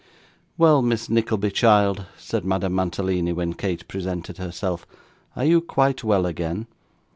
'Well, Miss Nickleby, child,' said Madame Mantalini, when Kate presented herself; 'are you quite well again?